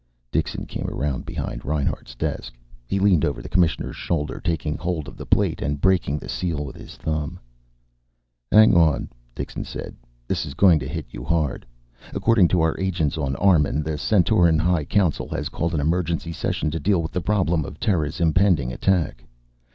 Dixon came around behind Reinhart's desk. He leaned over the Commissioner's shoulder, taking hold of the plate and breaking the seal with his thumb nail. "Hang on," Dixon said. "This is going to hit you hard. According to our agents on Armun, the Centauran High Council has called an emergency session to deal with the problem of Terra's impending attack.